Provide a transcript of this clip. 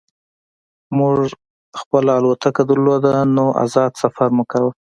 موږ خپله الوتکه درلوده نو ازاد سفر مو کاوه